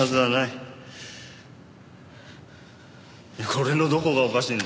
これのどこがおかしいんだ？